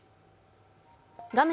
画面